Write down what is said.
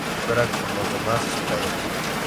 Kaine se recupera con los demás spiders.